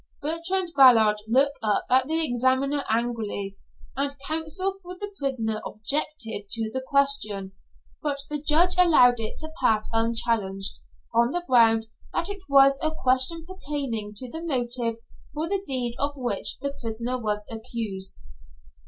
Bertrand Ballard looked up at the examiner angrily, and counsel for the prisoner objected to the question, but the judge allowed it to pass unchallenged, on the ground that it was a question pertaining to the motive for the deed of which the prisoner was accused.